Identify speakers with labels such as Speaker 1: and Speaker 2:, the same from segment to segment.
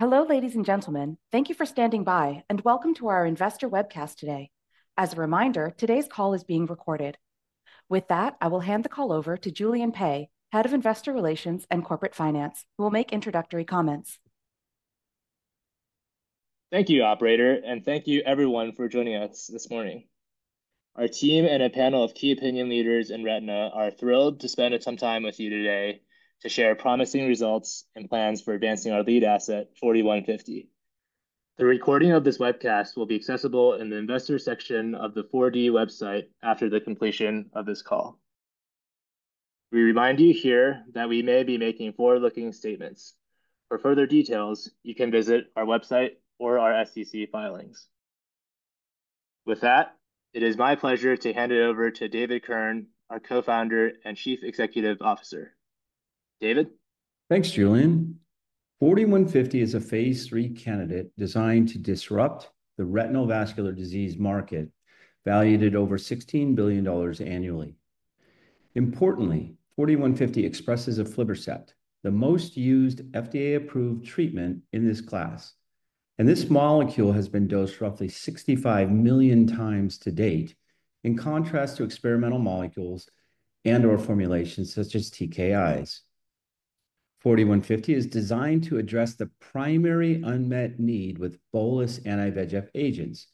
Speaker 1: Hello, ladies and gentlemen. Thank you for standing by, and welcome to our investor webcast today. As a reminder, today's Call is being recorded. With that, I will hand the call over to Julian Pei, Head of Investor Relations and Corporate Finance, who will make introductory comments.
Speaker 2: Thank you, Operator, and thank you, everyone, for joining us this morning. Our team and a panel of key opinion leaders in retina are thrilled to spend some time with you today to share promising results and plans for advancing our lead asset, 4D-150. The recording of this webcast will be accessible in the Investor section of the 4D website after the completion of this call. We remind you here that we may be making forward-looking statements. For further details, you can visit our website or our SEC filings. With that, it is my pleasure to hand it over to David Kirn, our Co-Founder and Chief Executive Officer. David?
Speaker 3: Thanks, Julian. 4D-150 is a phase III candidate designed to disrupt the retinal vascular disease market, valued at over $16 billion annually. Importantly, 4D-150 expresses aflibercept, the most-used FDA-approved treatment in this class. This molecule has been dosed roughly 65 million times to date, in contrast to experimental molecules and/or formulations such as TKIs. 4D-150 is designed to address the primary unmet need with bolus anti-VEGF agents,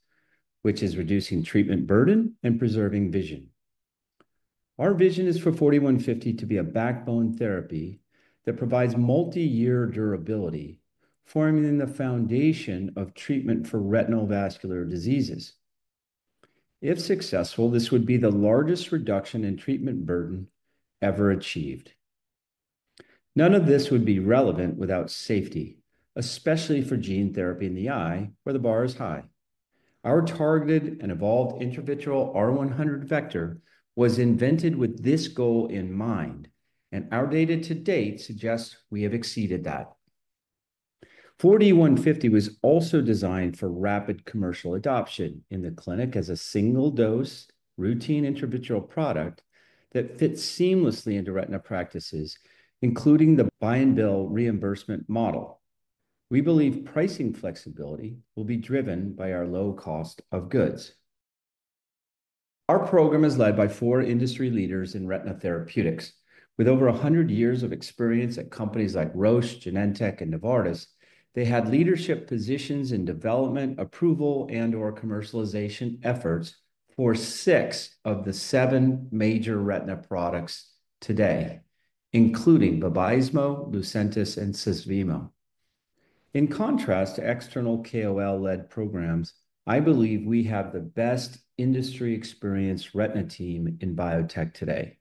Speaker 3: which is reducing treatment burden and preserving vision. Our vision is for 4D-150 to be a backbone therapy that provides multi-year durability, forming the foundation of treatment for retinal vascular diseases. If successful, this would be the largest reduction in treatment burden ever achieved. None of this would be relevant without safety, especially for gene therapy in the eye, where the bar is high. Our targeted and evolved intravitreal R100 vector was invented with this goal in mind, and our data to date suggests we have exceeded that. 4D-150 was also designed for rapid commercial adoption in the clinic as a single-dose, routine intravitreal product that fits seamlessly into retina practices, including the buy-and-bill reimbursement model. We believe pricing flexibility will be driven by our low cost of goods. Our program is led by four industry leaders in retina therapeutics. With over 100 years of experience at companies like Roche, Genentech, and Novartis, they had leadership positions in development, approval, and/or commercialization efforts for six of the seven major retina products today, including Vabysmo, Lucentis, and Susvimo. In contrast to external KOL-led programs, I believe we have the best industry-experienced retina team in biotech today.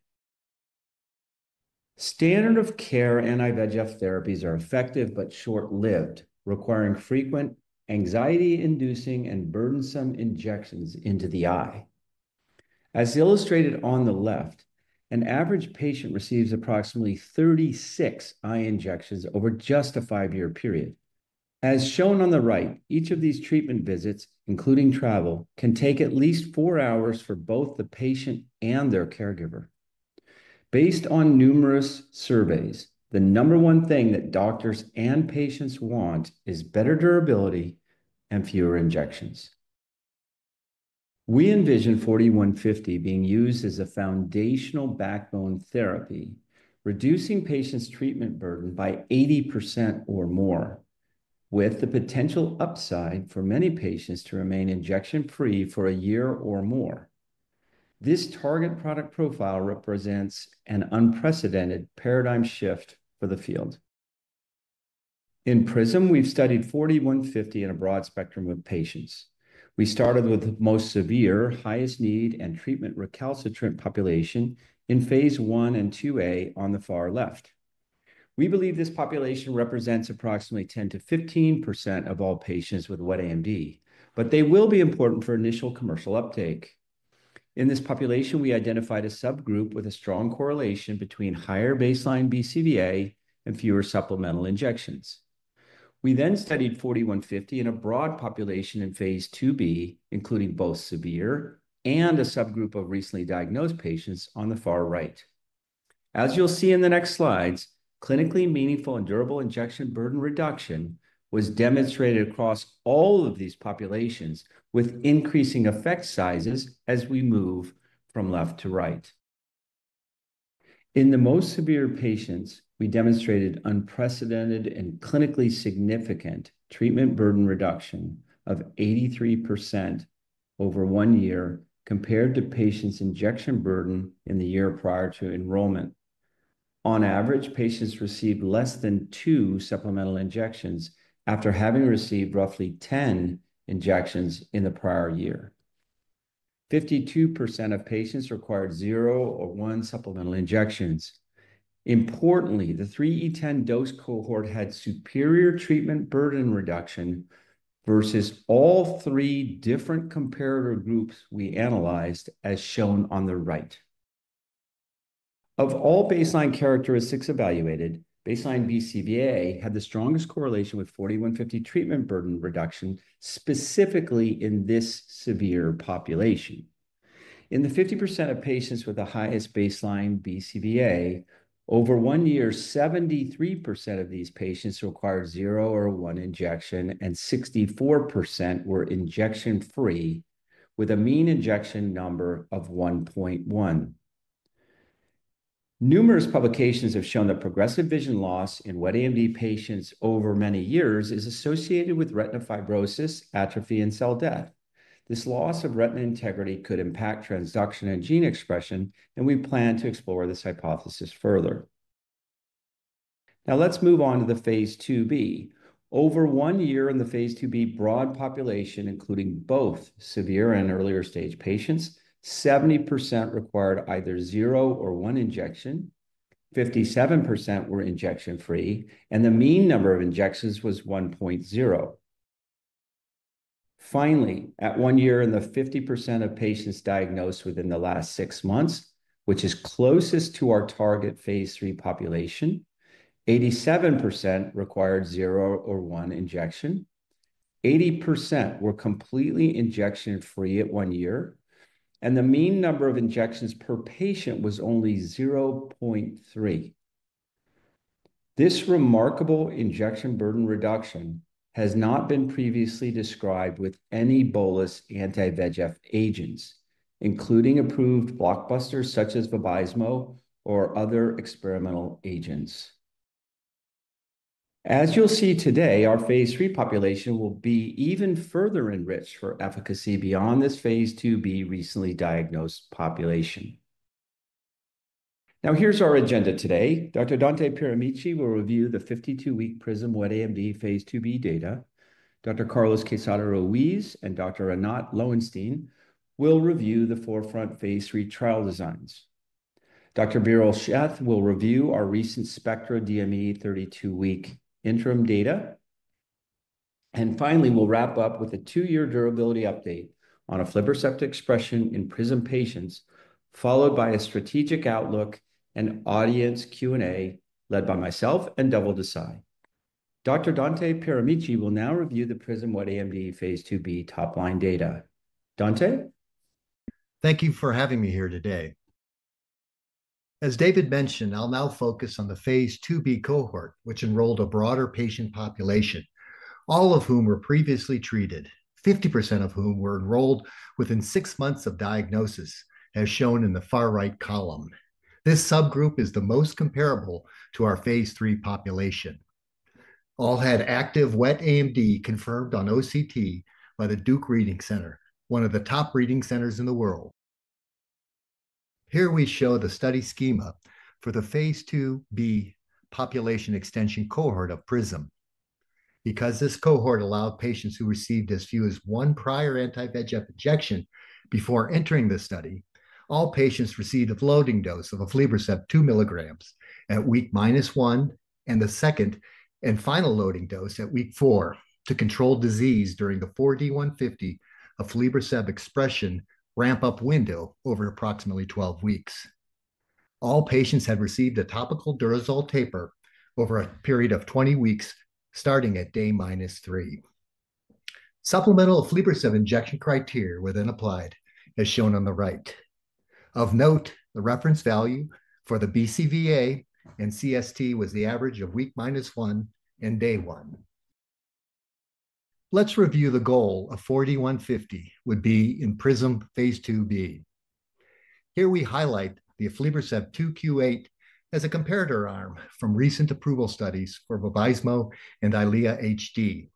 Speaker 3: Standard of care anti-VEGF therapies are effective but short-lived, requiring frequent, anxiety-inducing, and burdensome injections into the eye. As illustrated on the left, an average patient receives approximately 36 eye injections over just a five-year period. As shown on the right, each of these treatment visits, including travel, can take at least four hours for both the patient and their caregiver. Based on numerous surveys, the number one thing that doctors and patients want is better durability and fewer injections. We envision 4D-150 being used as a foundational backbone therapy, reducing patients' treatment burden by 80% or more, with the potential upside for many patients to remain injection-free for a year or more. This target product profile represents an unprecedented paradigm shift for the field. In PRISM, we've studied 4D-150 in a broad spectrum of patients. We started with the most severe, highest need, and treatment recalcitrant population in phase I and IIa on the far left. We believe this population represents approximately 10%-15% of all patients with wet AMD, but they will be important for initial commercial uptake. In this population, we identified a subgroup with a strong correlation between higher baseline BCVA and fewer supplemental injections. We then studied 4D-150 in a broad population in phase IIb, including both severe and a subgroup of recently diagnosed patients on the far right. As you'll see in the next slides, clinically meaningful and durable injection burden reduction was demonstrated across all of these populations, with increasing effect sizes as we move from left to right. In the most severe patients, we demonstrated unprecedented and clinically significant treatment burden reduction of 83% over one year compared to patients' injection burden in the year prior to enrollment. On average, patients received less than two supplemental injections after having received roughly 10 injections in the prior year. 52% of patients required zero or one supplemental injections. Importantly, the 3E10 dose cohort had superior treatment burden reduction versus all three different comparator groups we analyzed, as shown on the right. Of all baseline characteristics evaluated, baseline BCVA had the strongest correlation with 4D-150 treatment burden reduction, specifically in this severe population. In the 50% of patients with the highest baseline BCVA, over one year, 73% of these patients required zero or one injection, and 64% were injection-free, with a mean injection number of 1.1. Numerous publications have shown that progressive vision loss in wet AMD patients over many years is associated with retina fibrosis, atrophy, and cell death. This loss of retina integrity could impact transduction and gene expression, and we plan to explore this hypothesis further. Now, let's move on to the phase IIb. Over one year in the phase IIb broad population, including both severe and earlier stage patients, 70% required either zero or one injection. 57% were injection-free, and the mean number of injections was 1.0. Finally, at one year in the 50% of patients diagnosed within the last six months, which is closest to our target phase III population, 87% required zero or one injection. 80% were completely injection-free at one year, and the mean number of injections per patient was only 0.3. This remarkable injection burden reduction has not been previously described with any bolus anti-VEGF agents, including approved blockbusters such as Vabysmo or other experimental agents. As you'll see today, our phase III population will be even further enriched for efficacy beyond this phase IIb recently diagnosed population. Now, here's our agenda today. Dr. Dante Pieramici will review the 52-week PRISM wet AMD phase IIb data. Dr.Carlos Quezada-Ruiz and Dr. Anat Loewenstein will review the 4FRONT phase III trial designs. Dr. Viral Sheth will review our recent SPECTRA DME 32-week interim data. Finally, we'll wrap up with a two-year durability update on aflibercept expression in PRISM patients, followed by a strategic outlook and audience Q&A led by myself and Deval Desai. Dr. Dante Pieramici will now review the PRISM wet AMD phase IIb top-line data. Dante?
Speaker 4: Thank you for having me here today. As David mentioned, I'll now focus on the phase IIb cohort, which enrolled a broader patient population, all of whom were previously treated, 50% of whom were enrolled within six months of diagnosis, as shown in the far right column. This subgroup is the most comparable to our phase III population. All had active wet AMD confirmed on OCT by the Duke Reading Center, one of the top reading centers in the world. Here we show the study schema for the phase IIb population extension cohort of Prism. Because this cohort allowed patients who received as few as one prior anti-VEGF injection before entering the study, all patients received a loading dose of aflibercept 2 mg at week minus one and the second and final loading dose at week four to control disease during the 4D-150 aflibercept expression ramp-up window over approximately 12 weeks. All patients had received a topical Durezol taper over a period of 20 weeks, starting at day minus three. Supplemental aflibercept injection criteria were then applied, as shown on the right. Of note, the reference value for the BCVA and CST was the average of week minus one and day one. Let's review the goal of 4D-150 would be in PRISM Phase IIb. Here we highlight the aflibercept 2Q8 as a comparator arm from recent approval studies for Vabysmo and Eylea HD.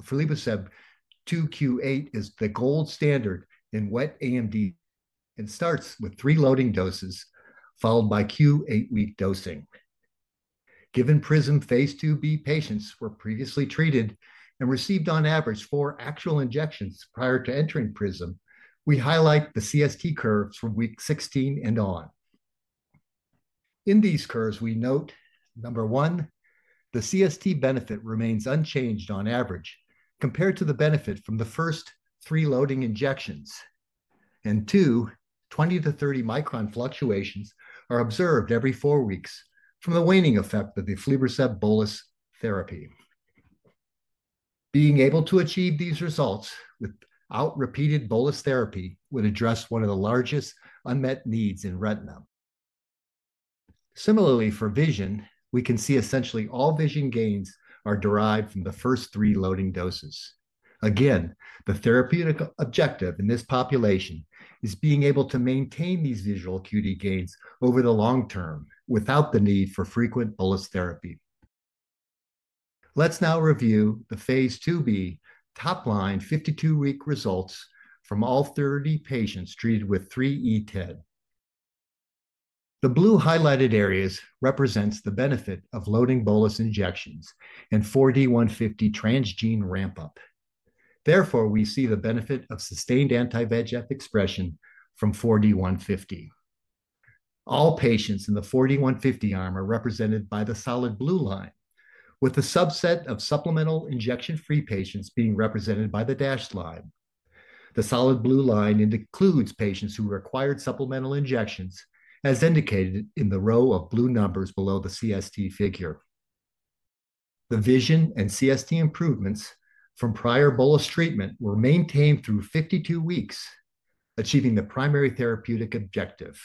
Speaker 4: aflibercept 2Q8 is the gold standard in wet AMD and starts with three loading doses, followed by Q8-week dosing. Given PRISM Phase IIb patients were previously treated and received on average four actual injections prior to entering PRISM, we highlight the CST curves from week 16 and on. In these curves, we note, number one, the CST benefit remains unchanged on average compared to the benefit from the first three loading injections, and two, 20-30 micron fluctuations are observed every four weeks from the waning effect of the aflibercept bolus therapy. Being able to achieve these results without repeated bolus therapy would address one of the largest unmet needs in retina. Similarly, for vision, we can see essentially all vision gains are derived from the first three loading doses. Again, the therapeutic objective in this population is being able to maintain these visual acuity gains over the long term without the need for frequent bolus therapy. Let's now review the phase IIb top-line 52-week results from all 30 patients treated with 3E10. The blue highlighted areas represent the benefit of loading bolus injections and 4D-150 transgene ramp-up. Therefore, we see the benefit of sustained anti-VEGF expression from 4D-150. All patients in the 4D-150 arm are represented by the solid blue line, with the subset of supplemental injection-free patients being represented by the dashed line. The solid blue line includes patients who required supplemental injections, as indicated in the row of blue numbers below the CST figure. The vision and CST improvements from prior bolus treatment were maintained through 52 weeks, achieving the primary therapeutic objective.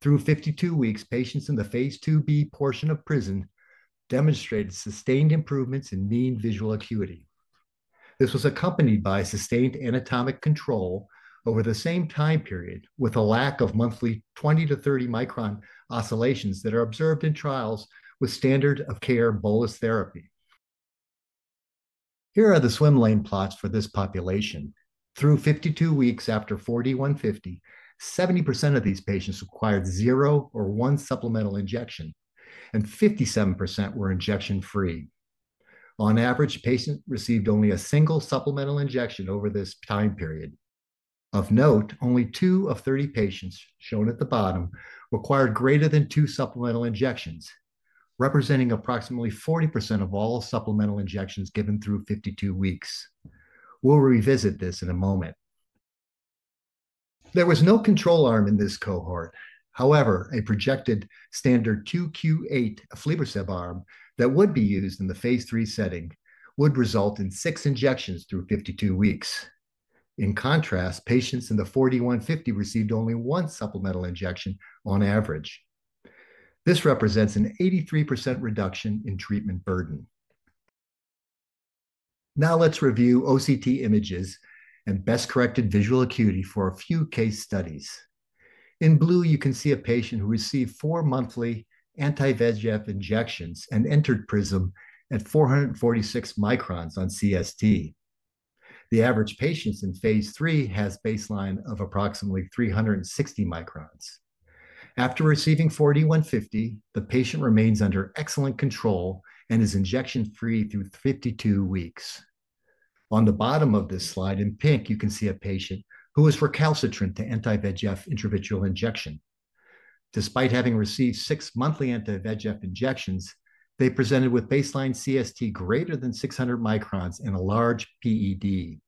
Speaker 4: Through 52 weeks, patients in the phase IIb portion of PRISM demonstrated sustained improvements in mean visual acuity. This was accompanied by sustained anatomic control over the same time period, with a lack of monthly 20 to 30 micron oscillations that are observed in trials with standard of care bolus therapy. Here are the swim lane plots for this population. Through 52 weeks after 4D-150, 70% of these patients required zero or one supplemental injection, and 57% were injection-free. On average, a patient received only a single supplemental injection over this time period. Of note, only two of 30 patients shown at the bottom required greater than two supplemental injections, representing approximately 40% of all supplemental injections given through 52 weeks. We'll revisit this in a moment. There was no control arm in this cohort. However, a projected standard 2Q8 aflibercept arm that would be used in the phase III setting would result in six injections through 52 weeks. In contrast, patients in the 4D-150 received only one supplemental injection on average. This represents an 83% reduction in treatment burden. Now, let's review OCT images and best-corrected visual acuity for a few case studies. In blue, you can see a patient who received four monthly anti-VEGF injections and entered PRISM at 446 microns on CST. The average patients in phase III has a baseline of approximately 360 microns. After receiving 4D-150, the patient remains under excellent control and is injection-free through 52 weeks. On the bottom of this slide in pink, you can see a patient who is recalcitrant to anti-VEGF intravitreal injection. Despite having received six monthly anti-VEGF injections, they presented with baseline CST greater than 600 microns and a large PED.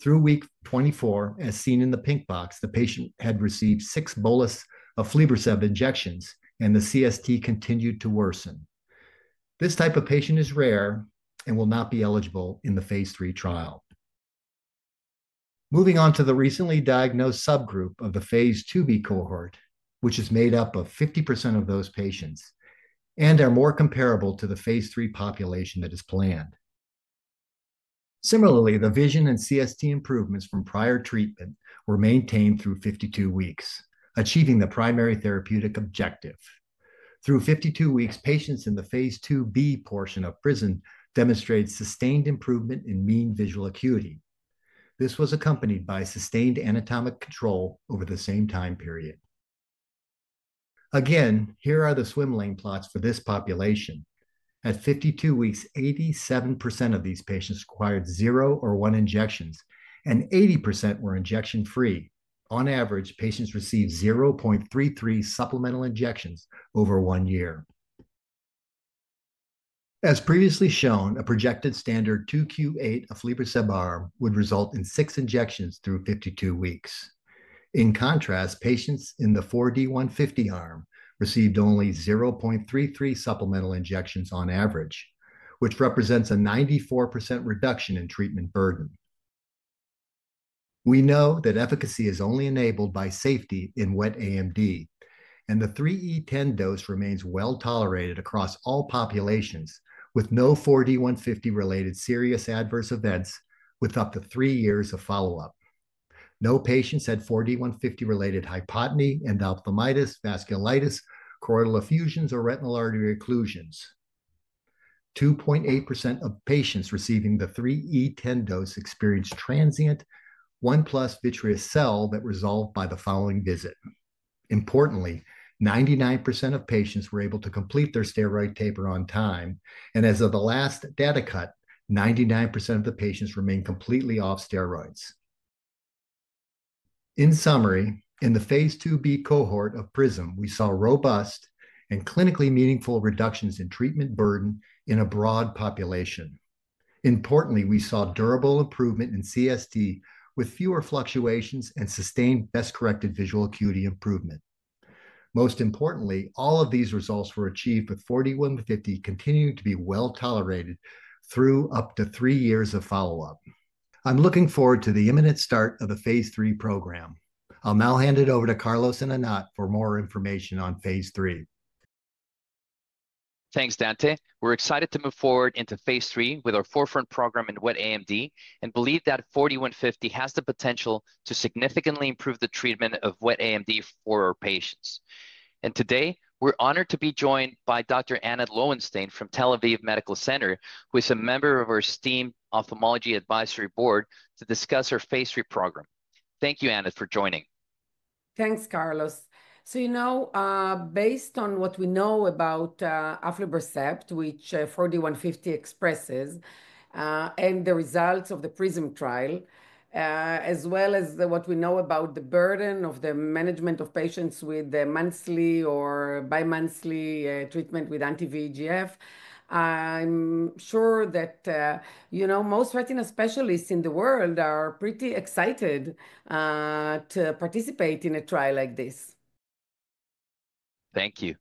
Speaker 4: Through week 24, as seen in the pink box, the patient had received six bolus aflibercept injections, and the CST continued to worsen. This type of patient is rare and will not be eligible in the phase III trial. Moving on to the recently diagnosed subgroup of the phase IIb cohort, which is made up of 50% of those patients and are more comparable to the phase III population that is planned. Similarly, the vision and CST improvements from prior treatment were maintained through 52 weeks, achieving the primary therapeutic objective. Through 52 weeks, patients in the phase IIb portion of PRISM demonstrated sustained improvement in mean visual acuity. This was accompanied by sustained anatomic control over the same time period. Again, here are the swim lane plots for this population. At 52 weeks, 87% of these patients required zero or one injections, and 80% were injection-free. On average, patients received 0.33 supplemental injections over one year. As previously shown, a projected standard 2Q8 aflibercept arm would result in six injections through 52 weeks. In contrast, patients in the 4D-150 arm received only 0.33 supplemental injections on average, which represents a 94% reduction in treatment burden. We know that efficacy is only enabled by safety in wet AMD, and the 3E10 dose remains well tolerated across all populations, with no 4D-150-related serious adverse events with up to three years of follow-up. No patients had 4D-150-related hypotony, endophthalmitis, vasculitis, choroidal effusions, or retinal artery occlusions. 2.8% of patients receiving the 3E10 dose experienced transient 1+ vitreous cell that resolved by the following visit. Importantly, 99% of patients were able to complete their steroid taper on time, and as of the last data cut, 99% of the patients remain completely off steroids. In summary, in the phase IIb cohort of Prism, we saw robust and clinically meaningful reductions in treatment burden in a broad population. Importantly, we saw durable improvement in CST with fewer fluctuations and sustained best-corrected visual acuity improvement. Most importantly, all of these results were achieved with 4D-150 continuing to be well tolerated through up to three years of follow-up. I'm looking forward to the imminent start of the phase III program. I'll now hand it over to Carlos and Anat for more information on phase III.
Speaker 5: Thanks, Dante. We're excited to move forward into phase III with our 4Front program in wet AMD and believe that 4D-150 has the potential to significantly improve the treatment of wet AMD for our patients. Today, we're honored to be joined by Dr. Anat Loewenstein from Tel Aviv Medical Center, who is a member of our STEAM Ophthalmology Advisory Board to discuss our phase III program. Thank you, Anat, for joining.
Speaker 6: Thanks, Carlos. So, you know, based on what we know about aflibercept, which 4D-150 expresses, and the results of the PRISM trial, as well as what we know about the burden of the management of patients with the monthly or bimonthly treatment with anti-VEGF, I'm sure that, you know, most retina specialists in the world are pretty excited to participate in a trial like this.
Speaker 5: Thank you.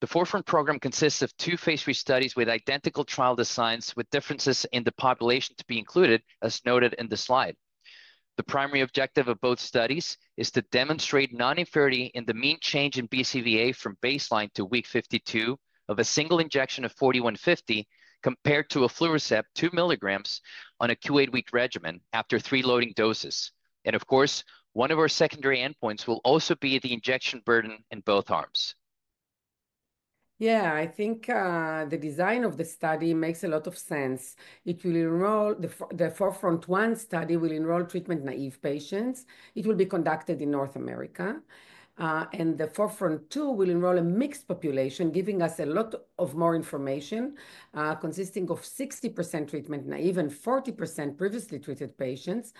Speaker 5: The 4FRONT program consists of two phase III studies with identical trial designs with differences in the population to be included, as noted in the slide. The primary objective of both studies is to demonstrate non-inferiority in the mean change in BCVA from baseline to week 52 of a single injection of 4D-150 compared to aflibercept 2 mg on a Q8-week regimen after three loading doses. Of course, one of our secondary endpoints will also be the injection burden in both arms.
Speaker 6: Yeah, I think the design of the study makes a lot of sense. The 4FRONT-1 study will enroll treatment-naive patients. It will be conducted in North America, and the 4FRONT-2 will enroll a mixed population, giving us a lot of more information, consisting of 60% treatment-naive and 40% previously treated patients.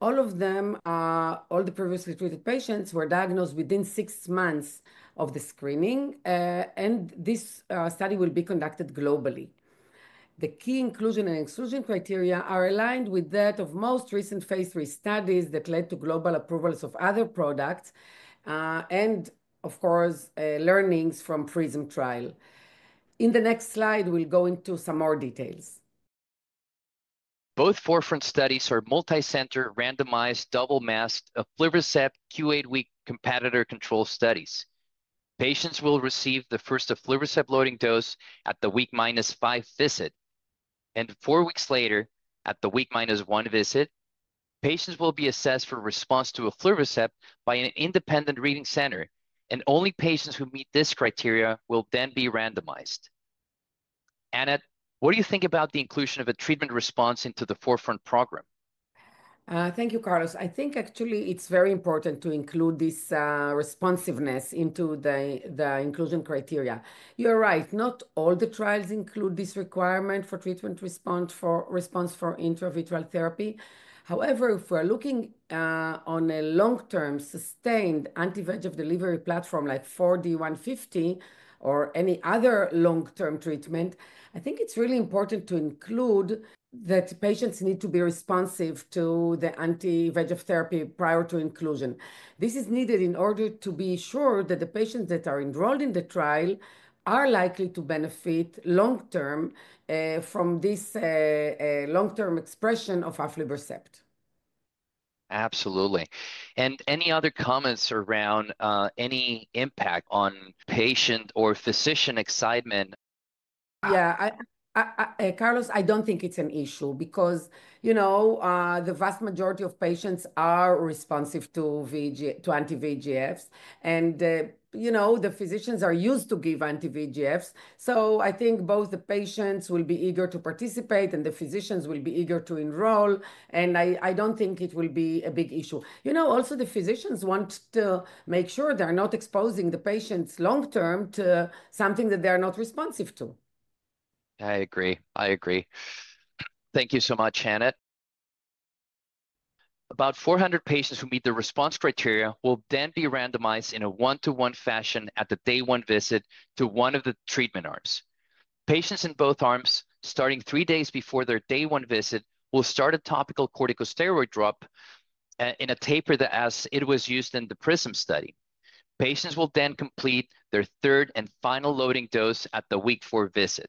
Speaker 6: All the previously treated patients were diagnosed within six months of the screening, and this study will be conducted globally. The key inclusion and exclusion criteria are aligned with those of most recent phase III studies that led to global approvals of other products, and of course, learnings from PRISM trial. In the next slide, we'll go into some more details.
Speaker 5: Both 4FRONT studies are multi-center randomized double-masked aflibercept Q8-week competitor control studies. Patients will receive the first aflibercept loading dose at the week minus five visit, and four weeks later at the week minus one visit. Patients will be assessed for response to aflibercept by an independent reading center, and only patients who meet this criteria will then be randomized. Anat, what do you think about the inclusion of a treatment response into the 4FRONT program?
Speaker 6: Thank you, Carlos. I think actually it's very important to include this responsiveness into the inclusion criteria. You're right. Not all the trials include this requirement for treatment response for intravitreal therapy. However, if we're looking, on a long-term sustained anti-VEGF delivery platform like 4D-150 or any other long-term treatment, I think it's really important to include that patients need to be responsive to the anti-VEGF therapy prior to inclusion. This is needed in order to be sure that the patients that are enrolled in the trial are likely to benefit long-term, from this, long-term expression of aflibercept.
Speaker 5: Absolutely. And any other comments around, any impact on patient or physician excitement?
Speaker 6: Yeah, Carlos, I don't think it's an issue because, you know, the vast majority of patients are responsive to anti-VEGFs, and, you know, the physicians are used to giving anti-VEGFs. So I think both the patients will be eager to participate, and the physicians will be eager to enroll, and I don't think it will be a big issue. You know, also the physicians want to make sure they're not exposing the patients long-term to something that they're not responsive to.
Speaker 5: I agree. I agree. Thank you so much, Anat. About 400 patients who meet the response criteria will then be randomized in a one-to-one fashion at the day one visit to one of the treatment arms. Patients in both arms, starting three days before their day one visit, will start a topical corticosteroid drop in a taper that, as it was used in the Prism study. Patients will then complete their third and final loading dose at the week four visit.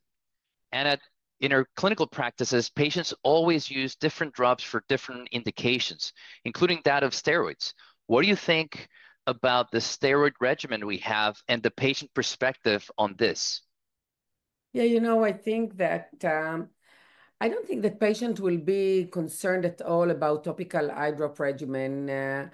Speaker 5: Anat, in our clinical practices, patients always use different drops for different indications, including that of steroids. What do you think about the steroid regimen we have and the patient perspective on this?
Speaker 6: Yeah, you know, I think that, I don't think that patients will be concerned at all about topical eye drop regimen.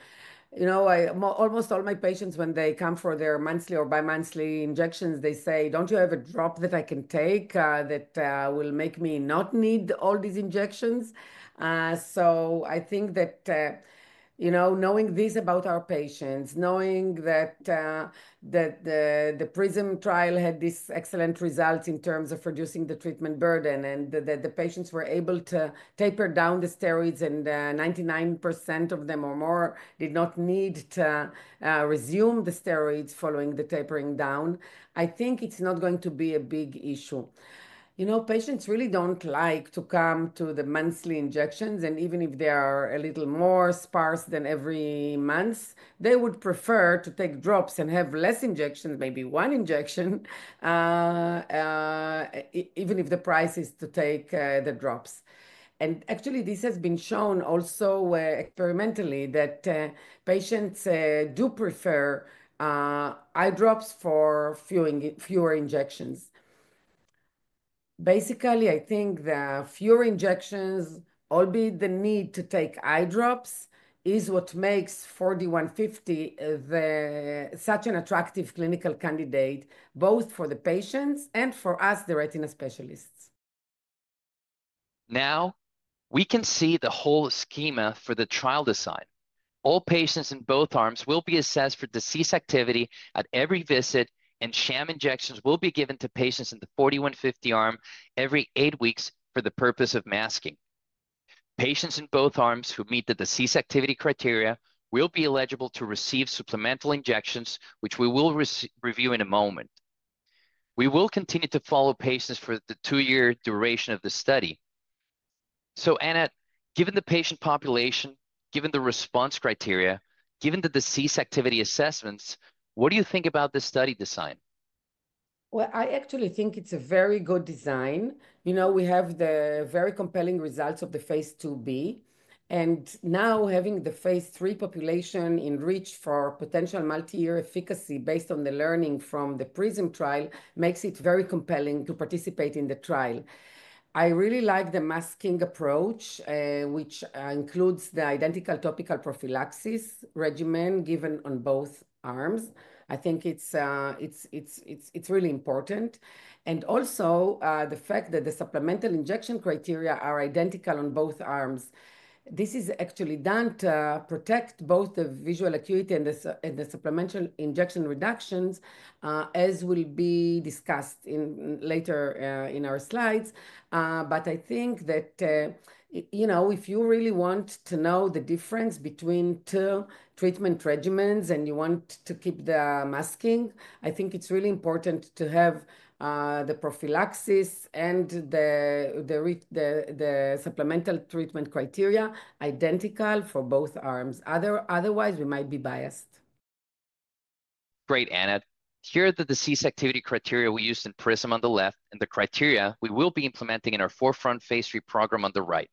Speaker 6: You know, in almost all my patients, when they come for their monthly or bimonthly injections, they say, "Don't you have a drop that I can take, that, will make me not need all these injections?" So I think that, you know, knowing this about our patients, knowing that the PRISM trial had this excellent result in terms of reducing the treatment burden and that the patients were able to taper down the steroids and, 99% of them or more did not need to resume the steroids following the tapering down, I think it's not going to be a big issue. You know, patients really don't like to come to the monthly injections, and even if they are a little more sparse than every month, they would prefer to take drops and have less injections, maybe one injection, even if the price is to take the drops. And actually, this has been shown also experimentally that patients do prefer eye drops for fewer injections. Basically, I think the fewer injections, albeit the need to take eye drops, is what makes 4D-150 such an attractive clinical candidate, both for the patients and for us, the retina specialists.
Speaker 5: Now, we can see the whole schema for the trial design. All patients in both arms will be assessed for disease activity at every visit, and sham injections will be given to patients in the 4D-150 arm every eight weeks for the purpose of masking. Patients in both arms who meet the disease activity criteria will be eligible to receive supplemental injections, which we will review in a moment. We will continue to follow patients for the two-year duration of the study. So, Anat, given the patient population, given the response criteria, given the disease activity assessments, what do you think about the study design?
Speaker 6: I actually think it's a very good design. You know, we have the very compelling results of the phase IIb, and now having the phase III population enriched for potential multi-year efficacy based on the learning from the PRISM trial makes it very compelling to participate in the trial. I really like the masking approach, which includes the identical topical prophylaxis regimen given on both arms. I think it's really important. Also, the fact that the supplemental injection criteria are identical on both arms, this is actually done to protect both the visual acuity and the supplemental injection reductions, as will be discussed later in our slides. But I think that, you know, if you really want to know the difference between two treatment regimens and you want to keep the masking, I think it's really important to have the prophylaxis and the supplemental treatment criteria identical for both arms. Otherwise, we might be biased.
Speaker 5: Great, Anat. Here are the disease activity criteria we used in PRISM on the left and the criteria we will be implementing in our 4FRONT phase III program on the right.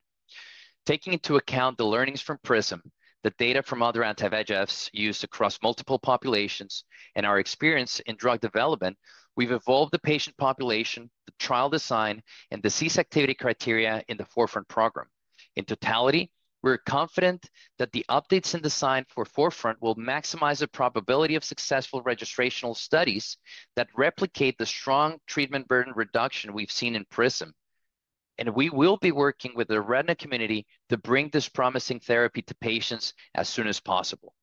Speaker 5: Taking into account the learnings from PRISM, the data from other anti-VEGFs used across multiple populations, and our experience in drug development, we've evolved the patient population, the trial design, and disease activity criteria in the 4FRONT program. In totality, we're confident that the updates in the design for 4FRONT will maximize the probability of successful registrational studies that replicate the strong treatment burden reduction we've seen in PRISM. And we will be working with the retina community to bring this promising therapy to patients as soon as possible.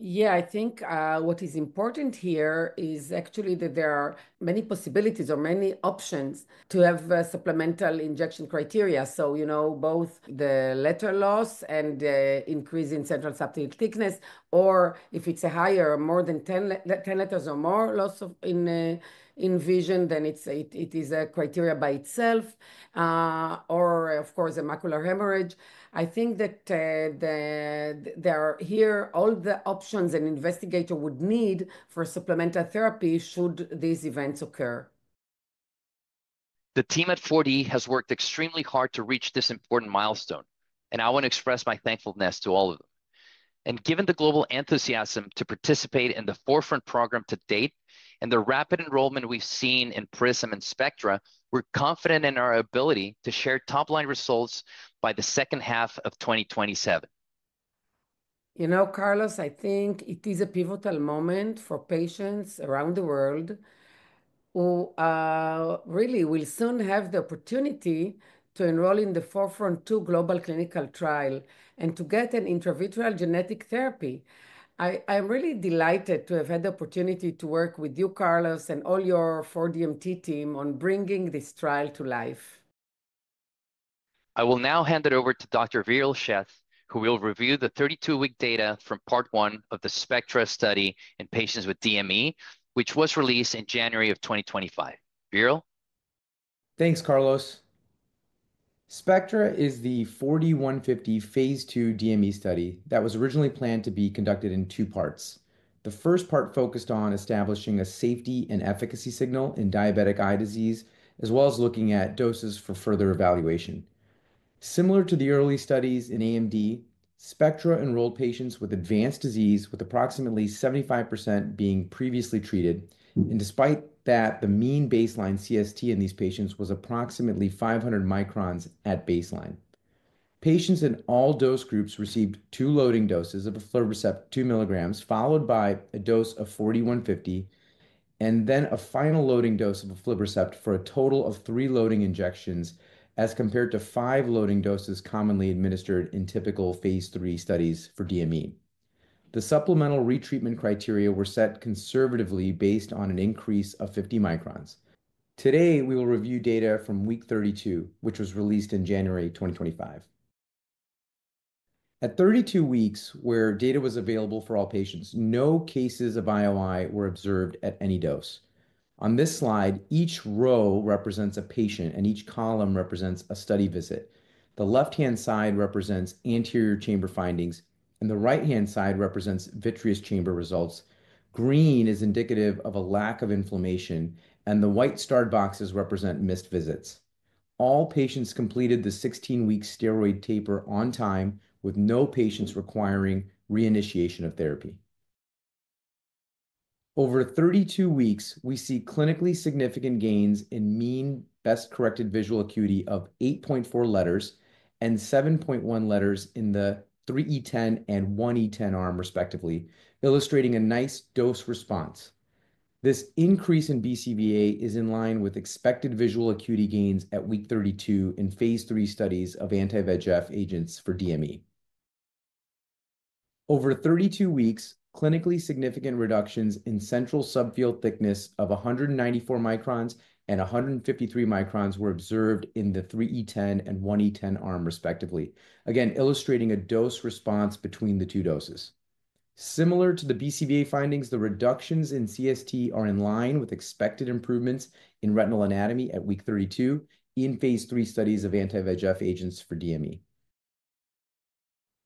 Speaker 6: Yeah, I think what is important here is actually that there are many possibilities or many options to have supplemental injection criteria. So, you know, both the letter loss and the increase in central subfield thickness, or if it's a higher, more than 10 letters or more loss in vision, then it is a criteria by itself, or of course a macular hemorrhage. I think that there are here all the options an investigator would need for supplemental therapy should these events occur.
Speaker 5: The team at 4D has worked extremely hard to reach this important milestone, and I want to express my thankfulness to all of them, and given the global enthusiasm to participate in the 4FRONT program to date and the rapid enrollment we've seen in PRISM and SPECTRA, we're confident in our ability to share top-line results by the second half of 2027.
Speaker 7: You know, Carlos, I think it is a pivotal moment for patients around the world who really will soon have the opportunity to enroll in the 4FRONT-2 global clinical trial and to get an intravitreal genetic therapy. I'm really delighted to have had the opportunity to work with you, Carlos, and all your 4DMT team on bringing this trial to life.
Speaker 5: I will now hand it over to Dr. Viral Sheth, who will review the 32-week data from part one of the SPECTRA study in patients with DME, which was released in January of 2025. Viral.
Speaker 8: Thanks, Carlos. SPECTRA is the 4D-150 phase II DME study that was originally planned to be conducted in two parts. The first part focused on establishing a safety and efficacy signal in diabetic eye disease, as well as looking at doses for further evaluation. Similar to the early studies in AMD, SPECTRA enrolled patients with advanced disease, with approximately 75% being previously treated, and despite that, the mean baseline CST in these patients was approximately 500 microns at baseline. Patients in all dose groups received two loading doses of aflibercept 2 mg, followed by a dose of 4D-150, and then a final loading dose of aflibercept for a total of three loading injections as compared to five loading doses commonly administered in typical phase III studies for DME. The supplemental retreatment criteria were set conservatively based on an increase of 50 microns. Today, we will review data from week 32, which was released in January 2025. At 32 weeks, where data was available for all patients, no cases of IOI were observed at any dose. On this slide, each row represents a patient and each column represents a study visit. The left-hand side represents anterior chamber findings and the right-hand side represents vitreous chamber results. Green is indicative of a lack of inflammation and the white starred boxes represent missed visits. All patients completed the 16-week steroid taper on time with no patients requiring reinitiation of therapy. Over 32 weeks, we see clinically significant gains in mean best-corrected visual acuity of 8.4 letters and 7.1 letters in the 3E10 and 1E10 arm, respectively, illustrating a nice dose response. This increase in BCVA is in line with expected visual acuity gains at week 32 in phase III studies of anti-VEGF agents for DME. Over 32 weeks, clinically significant reductions in central subfield thickness of 194 microns and 153 microns were observed in the 3E10 and 1E10 arm, respectively, again illustrating a dose response between the two doses. Similar to the BCVA findings, the reductions in CST are in line with expected improvements in retinal anatomy at week 32 in phase III studies of anti-VEGF agents for DME.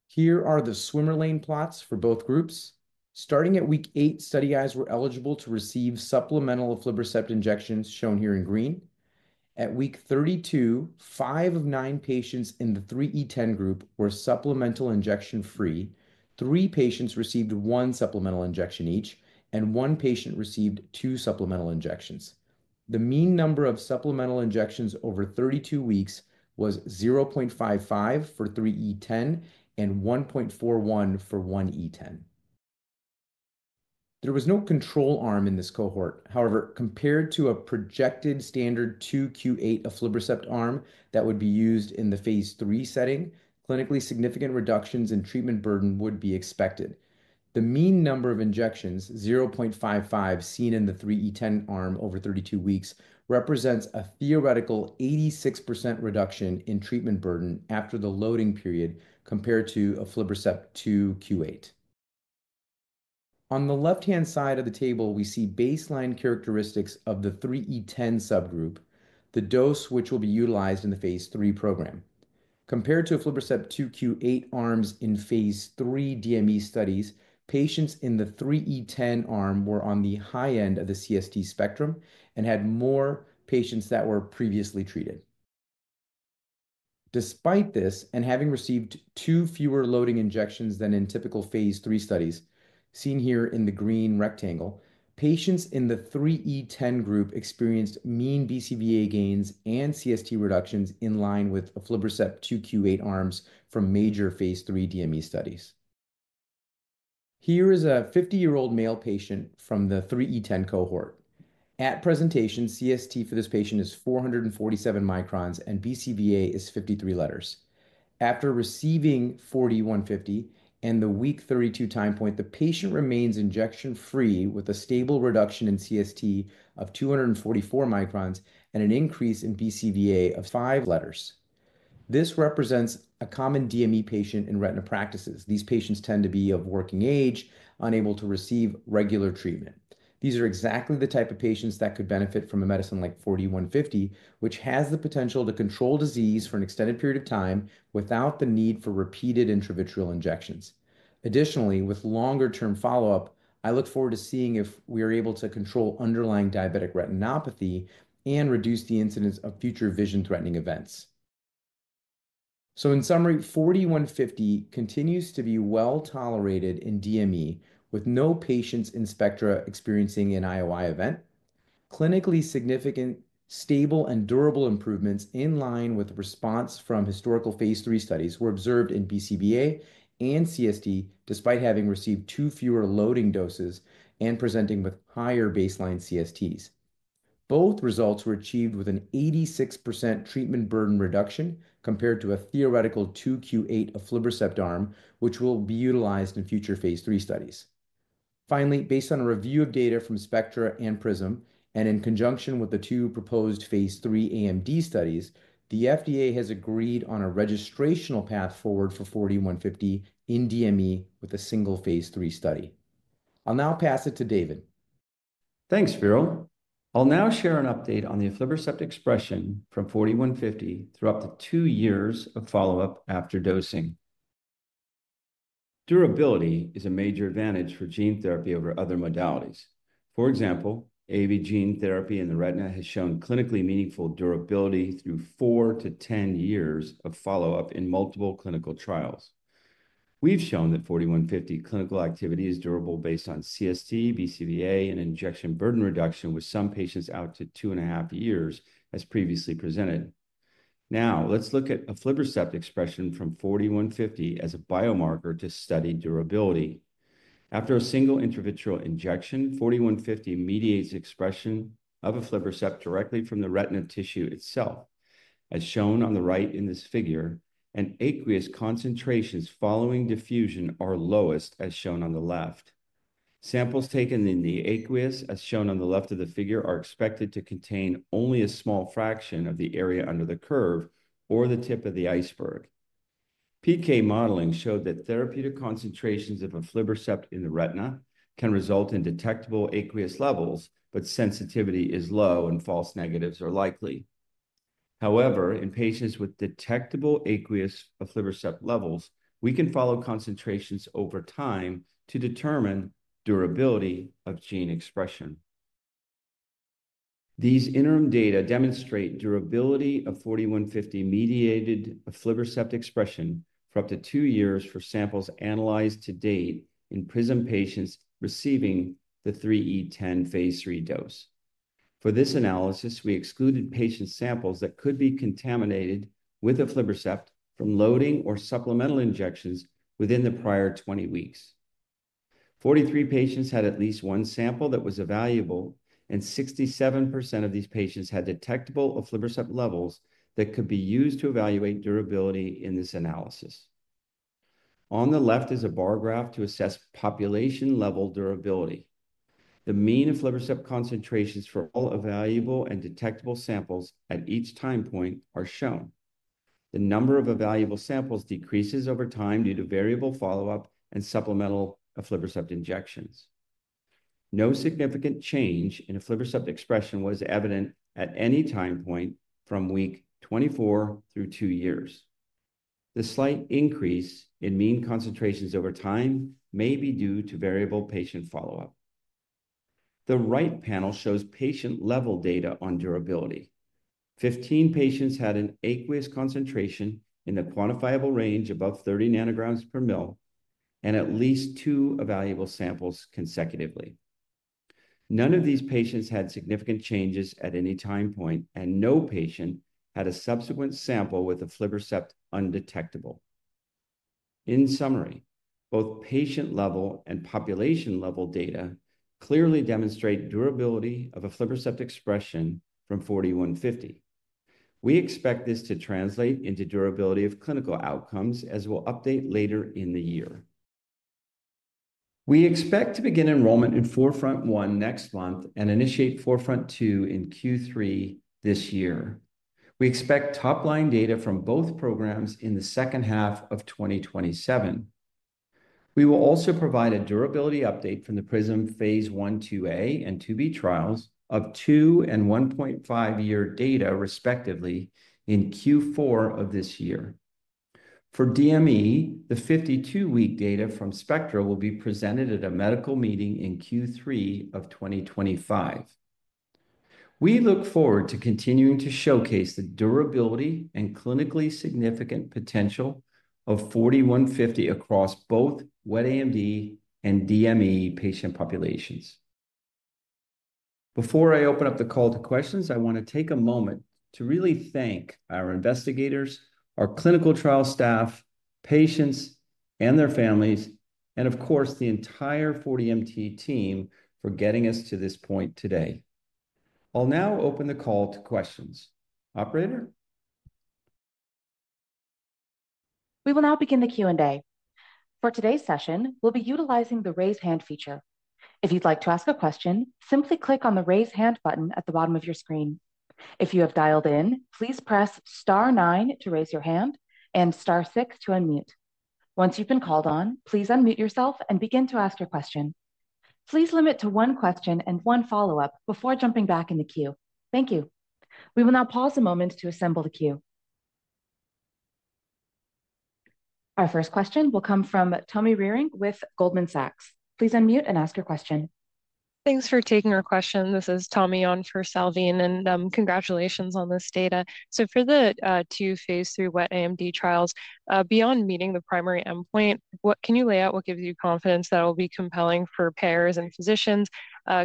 Speaker 8: Here are the swimmer lane plots for both groups. Starting at week eight, study eyes were eligible to receive supplemental aflibercept injections shown here in green. At week 32, five of nine patients in the 3E10 group were supplemental injection-free. Three patients received one supplemental injection each, and one patient received two supplemental injections. The mean number of supplemental injections over 32 weeks was 0.55 for 3E10 and 1.41 for 1E10. There was no control arm in this cohort. However, compared to a projected standard 2Q8 aflibercept arm that would be used in the phase III setting, clinically significant reductions in treatment burden would be expected. The mean number of injections, 0.55 seen in the 3E10 arm over 32 weeks, represents a theoretical 86% reduction in treatment burden after the loading period compared to aflibercept 2Q8. On the left-hand side of the table, we see baseline characteristics of the 3E10 subgroup, the dose which will be utilized in the phase III program. Compared to aflibercept 2Q8 arms in phase III DME studies, patients in the 3E10 arm were on the high end of the CST spectrum and had more patients that were previously treated. Despite this, and having received two fewer loading injections than in typical phase III studies, seen here in the green rectangle, patients in the 3E10 group experienced mean BCVA gains and CST reductions in line with aflibercept 2Q8 arms from major phase III DME studies. Here is a 50-year-old male patient from the 3E10 cohort. At presentation, CST for this patient is 447 microns and BCVA is 53 letters. After receiving 4D-150 and the week 32 time point, the patient remains injection-free with a stable reduction in CST of 244 microns and an increase in BCVA of five letters. This represents a common DME patient in retina practices. These patients tend to be of working age, unable to receive regular treatment. These are exactly the type of patients that could benefit from a medicine like 4D-150, which has the potential to control disease for an extended period of time without the need for repeated intravitreal injections. Additionally, with longer-term follow-up, I look forward to seeing if we are able to control underlying diabetic retinopathy and reduce the incidence of future vision-threatening events. So, in summary, 4D-150 continues to be well tolerated in DME with no patients in SPECTRA experiencing an IOI event. Clinically significant, stable, and durable improvements in line with response from historical phase III studies were observed in BCVA and CST despite having received two fewer loading doses and presenting with higher baseline CSTs. Both results were achieved with an 86% treatment burden reduction compared to a theoretical 2Q8 aflibercept arm, which will be utilized in future phase III studies. Finally, based on a review of data from SPECTRA and PRISM and in conjunction with the two proposed phase III AMD studies, the FDA has agreed on a registrational path forward for 4D-150 in DME with a single phase III study. I'll now pass it to David.
Speaker 3: Thanks, Viral. I'll now share an update on the aflibercept expression from 4D-150 through up to two years of follow-up after dosing. Durability is a major advantage for gene therapy over other modalities. For example, AAV gene therapy in the retina has shown clinically meaningful durability through four to 10 years of follow-up in multiple clinical trials. We've shown that 4D-150 clinical activity is durable based on CST, BCVA, and injection burden reduction, with some patients out to two and a half years, as previously presented. Now, let's look at aflibercept expression from 4D-150 as a biomarker to study durability. After a single intravitreal injection, 4D-150 mediates expression of aflibercept directly from the retina tissue itself. As shown on the right in this figure, and aqueous concentrations following diffusion are lowest, as shown on the left. Samples taken in the aqueous, as shown on the left of the figure, are expected to contain only a small fraction of the area under the curve or the tip of the iceberg. PK modeling showed that therapeutic concentrations of aflibercept in the retina can result in detectable aqueous levels, but sensitivity is low and false negatives are likely. However, in patients with detectable aqueous aflibercept levels, we can follow concentrations over time to determine durability of gene expression. These interim data demonstrate durability of 4D-150 mediated aflibercept expression for up to two years for samples analyzed to date in PRISM patients receiving the 3E10 phase III dose. For this analysis, we excluded patient samples that could be contaminated with aflibercept from loading or supplemental injections within the prior 20 weeks. 43 patients had at least one sample that was evaluable, and 67% of these patients had detectable aflibercept levels that could be used to evaluate durability in this analysis. On the left is a bar graph to assess population-level durability. The mean aflibercept concentrations for all evaluable and detectable samples at each time point are shown. The number of evaluable samples decreases over time due to variable follow-up and supplemental aflibercept injections. No significant change in aflibercept expression was evident at any time point from week 24 through two years. The slight increase in mean concentrations over time may be due to variable patient follow-up. The right panel shows patient-level data on durability. 15 patients had an aqueous concentration in the quantifiable range above 30 nanograms per mL and at least two evaluable samples consecutively. None of these patients had significant changes at any time point, and no patient had a subsequent sample with aflibercept undetectable. In summary, both patient-level and population-level data clearly demonstrate durability of aflibercept expression from 4D-150. We expect this to translate into durability of clinical outcomes, as we'll update later in the year. We expect to begin enrollment in 4FRONT-1 next month and initiate 4FRONT-2 in Q3 this year. We expect top-line data from both programs in the second half of 2027. We will also provide a durability update from the PRISM phase I/II and IIb trials of two and 1.5-year data, respectively, in Q4 of this year. For DME, the 52-week data from SPECTRA will be presented at a medical meeting in Q3 of 2025. We look forward to continuing to showcase the durability and clinically significant potential of 4D-150 across both wet AMD and DME patient populations. Before I open up the call to questions, I want to take a moment to really thank our investigators, our clinical trial staff, patients, and their families, and of course, the entire 4DMT team for getting us to this point today. I'll now open the call to questions. Operator?
Speaker 1: We will now begin the Q&A. For today's session, we'll be utilizing the raise hand feature. If you'd like to ask a question, simply click on the raise hand button at the bottom of your screen. If you have dialed in, please press star nine to raise your hand and star six to unmute. Once you've been called on, please unmute yourself and begin to ask your question. Please limit to one question and one follow-up before jumping back in the queue. Thank you. We will now pause a moment to assemble the queue. Our first question will come from Tommie Reerink with Goldman Sachs. Please unmute and ask your question.
Speaker 9: Thanks for taking our question. This is Tommie Reerink on for Salveen Richter, and congratulations on this data. So for the two phase III wet AMD trials, beyond meeting the primary endpoint, what can you lay out? What gives you confidence that it'll be compelling for payers and physicians?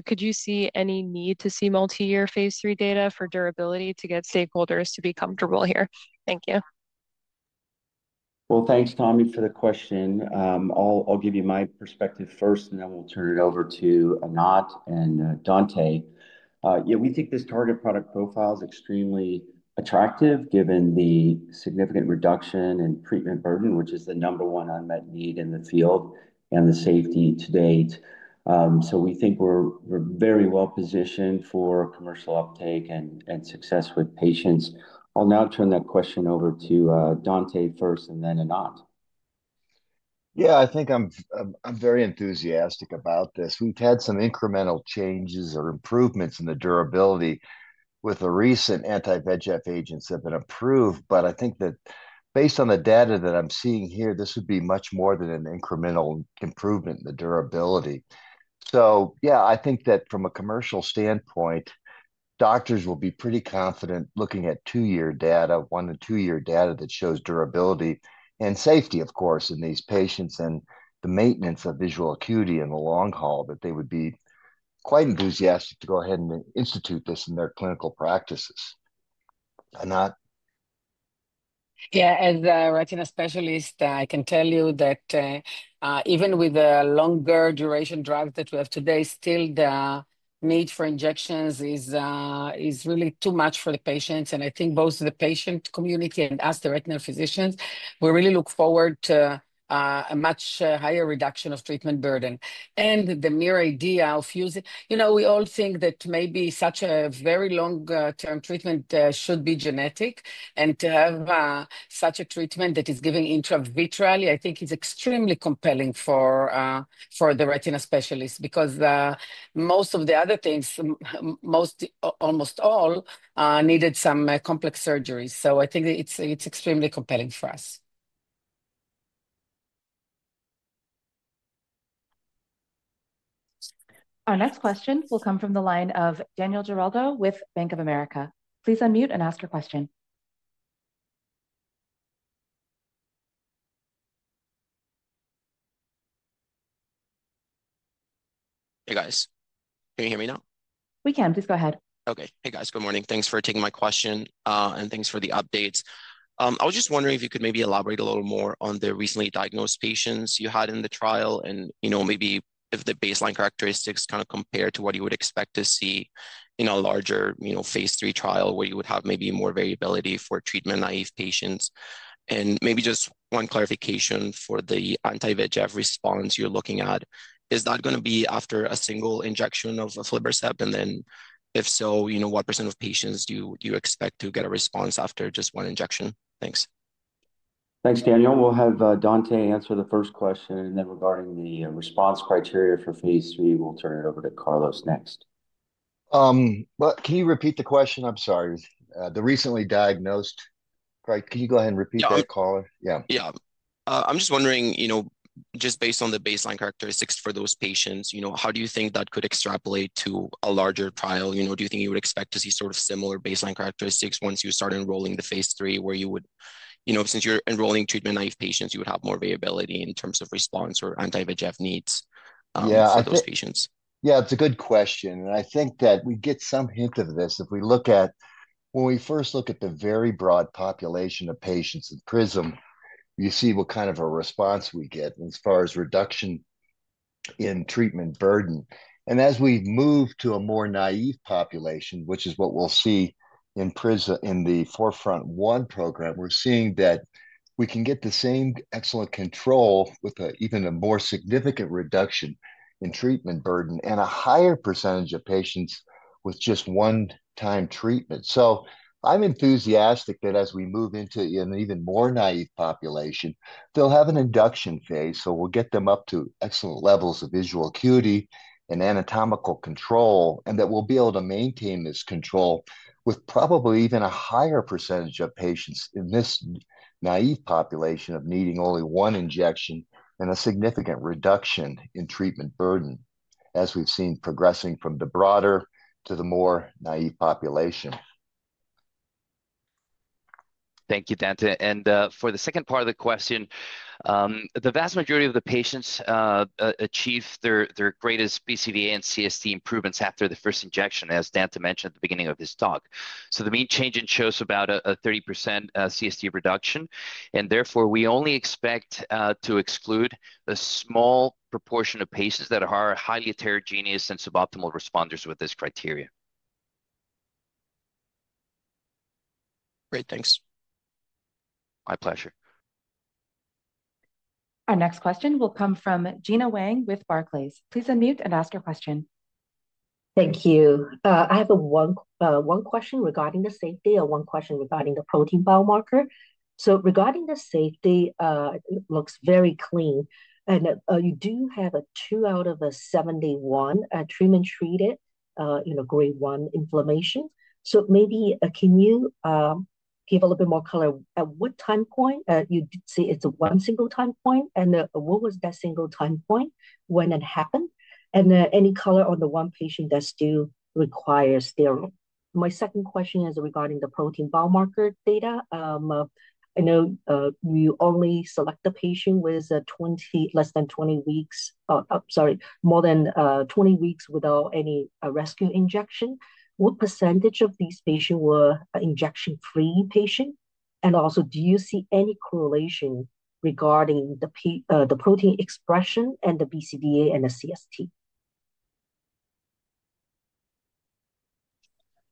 Speaker 9: Could you see any need to see multi-year phase III data for durability to get stakeholders to be comfortable here? Thank you.
Speaker 3: Thanks, Tommie, for the question. I'll give you my perspective first, and then we'll turn it over to Anat and Dante. Yeah, we think this target product profile is extremely attractive given the significant reduction in treatment burden, which is the number one unmet need in the field and the safety to date. So we think we're very well positioned for commercial uptake and success with patients. I'll now turn that question over to Dante first and then Anat.
Speaker 4: Yeah, I think I'm very enthusiastic about this. We've had some incremental changes or improvements in the durability with the recent anti-VEGF agents that have been approved, but I think that based on the data that I'm seeing here, this would be much more than an incremental improvement in the durability. So yeah, I think that from a commercial standpoint, doctors will be pretty confident looking at two-year data, one to two-year data that shows durability and safety, of course, in these patients and the maintenance of visual acuity in the long haul, that they would be quite enthusiastic to go ahead and institute this in their clinical practices. Anat?
Speaker 6: Yeah, as a retina specialist, I can tell you that even with the longer duration drive that we have today, still the need for injections is really too much for the patients. And I think both the patient community and us, the retina physicians, we really look forward to a much higher reduction of treatment burden. And the mere idea of using, you know, we all think that maybe such a very long-term treatment should be genetic, and to have such a treatment that is given intravitreally, I think is extremely compelling for the retina specialists because most of the other things, almost all, needed some complex surgeries. So I think it's extremely compelling for us.
Speaker 1: Our next question will come from the line of Daniel Geraldo with Bank of America. Please unmute and ask your question.
Speaker 10: Hey, guys. Can you hear me now?
Speaker 1: We can. Please go ahead.
Speaker 10: Okay. Hey, guys. Good morning. Thanks for taking my question, and thanks for the updates. I was just wondering if you could maybe elaborate a little more on the recently diagnosed patients you had in the trial and maybe if the baseline characteristics kind of compare to what you would expect to see in a larger phase III trial where you would have maybe more variability for treatment naive patients. And maybe just one clarification for the anti-VEGF response you're looking at. Is that going to be after a single injection of aflibercept? And then if so, what % of patients do you expect to get a response after just one injection? Thanks.
Speaker 3: Thanks, Daniel. We'll have Dante answer the first question, and then regarding the response criteria for phase III, we'll turn it over to Carlos next.
Speaker 4: Can you repeat the question? I'm sorry. The recently diagnosed. Can you go ahead and repeat that, Carlos?
Speaker 10: Yeah. Yeah. I'm just wondering, just based on the baseline characteristics for those patients, how do you think that could extrapolate to a larger trial? Do you think you would expect to see sort of similar baseline characteristics once you start enrolling the phase III where you would, since you're enrolling treatment naive patients, you would have more variability in terms of response or anti-VEGF needs for those patients?
Speaker 4: Yeah, it's a good question. And I think that we get some hint of this if we look at, when we first look at the very broad population of patients in PRISM, you see what kind of a response we get as far as reduction in treatment burden. And as we move to a more naive population, which is what we'll see in the 4FRONT-1 program, we're seeing that we can get the same excellent control with even a more significant reduction in treatment burden and a higher percentage of patients with just one-time treatment. So I'm enthusiastic that as we move into an even more naive population, they'll have an induction phase, so we'll get them up to excellent levels of visual acuity and anatomical control, and that we'll be able to maintain this control with probably even a higher percentage of patients in this naive population of needing only one injection and a significant reduction in treatment burden as we've seen progressing from the broader to the more naive population.
Speaker 5: Thank you, Dante. And for the second part of the question, the vast majority of the patients achieve their greatest BCVA and CST improvements after the first injection, as Dante mentioned at the beginning of his talk. So the main change in CST is about a 30% CST reduction, and therefore we only expect to exclude a small proportion of patients that are highly heterogeneous and suboptimal responders with this criteria.
Speaker 10: Great. Thanks.
Speaker 4: My pleasure.
Speaker 1: Our next question will come from Gena Wang with Barclays. Please unmute and ask your question.
Speaker 11: Thank you. I have one question regarding the safety, one question regarding the protein biomarker. So regarding the safety, it looks very clean. And you do have two out of 71 treatment-treated grade one inflammation. So maybe can you give a little bit more color at what time point? You did say it's one single time point, and what was that single time point when it happened? And any color on the one patient that still requires steroid? My second question is regarding the protein biomarker data. I know you only select the patient with less than 20 weeks, sorry, more than 20 weeks without any rescue injection. What percentage of these patients were injection-free patients? And also, do you see any correlation regarding the protein expression and the BCVA and the CST?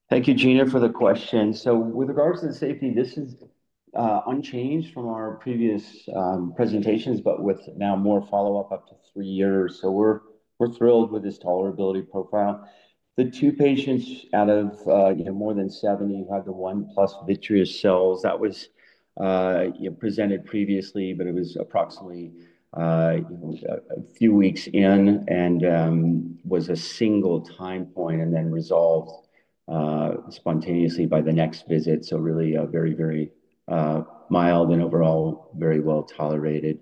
Speaker 3: Thank you, Gena, for the question. So with regards to the safety, this is unchanged from our previous presentations, but with now more follow-up up to three years. So we're thrilled with this tolerability profile. The two patients out of more than 70 who had the one-plus vitreous cells, that was presented previously, but it was approximately a few weeks in and was a single time point and then resolved spontaneously by the next visit. So really very, very mild and overall very well tolerated.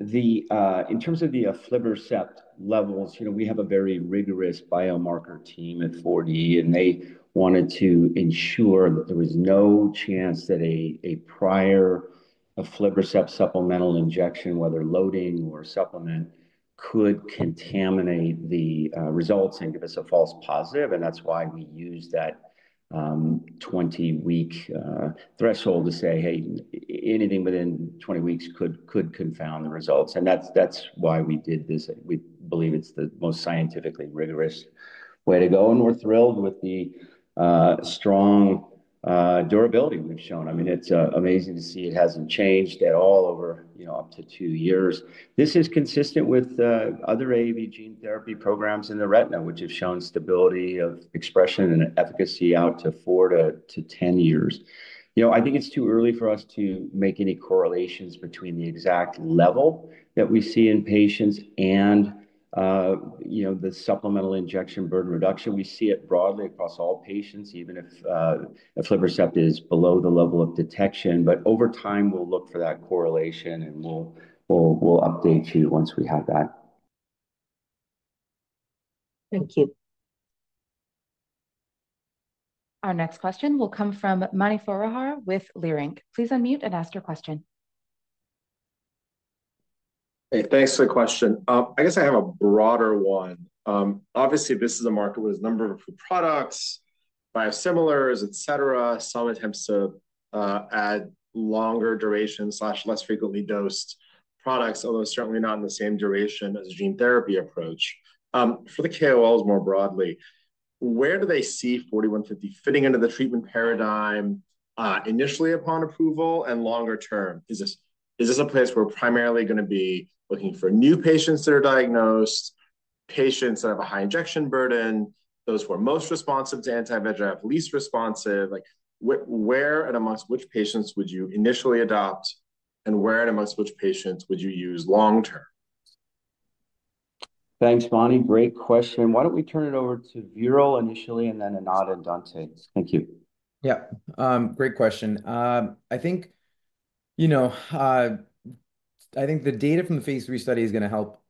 Speaker 3: In terms of the aflibercept levels, we have a very rigorous biomarker team at 4D, and they wanted to ensure that there was no chance that a prior aflibercept supplemental injection, whether loading or supplement, could contaminate the results and give us a false positive. And that's why we used that 20-week threshold to say, "Hey, anything within 20 weeks could confound the results." And that's why we did this. We believe it's the most scientifically rigorous way to go, and we're thrilled with the strong durability we've shown. I mean, it's amazing to see it hasn't changed at all over up to two years. This is consistent with other AAV gene therapy programs in the retina, which have shown stability of expression and efficacy out to four to 10 years. I think it's too early for us to make any correlations between the exact level that we see in patients and the supplemental injection burden reduction. We see it broadly across all patients, even if aflibercept is below the level of detection. But over time, we'll look for that correlation, and we'll update you once we have that.
Speaker 11: Thank you.
Speaker 1: Our next question will come from Mani Foroohar with Leerink Partners. Please unmute and ask your question.
Speaker 12: Hey, thanks for the question. I guess I have a broader one. Obviously, this is a market with a number of products, biosimilars, et cetera. Some attempts to add longer duration/less frequently dosed products, although certainly not in the same duration as a gene therapy approach. For the KOLs more broadly, where do they see 4D-150 fitting into the treatment paradigm initially upon approval and longer term? Is this a place where we're primarily going to be looking for new patients that are diagnosed, patients that have a high injection burden, those who are most responsive to anti-VEGF, least responsive? Where and amongst which patients would you initially adopt, and where and amongst which patients would you use long-term?
Speaker 3: Thanks, Mani. Great question. Why don't we turn it over to Viral initially, and then Anat and Dante? Thank you.
Speaker 8: Yeah. Great question. I think the data from the phase III study is going to help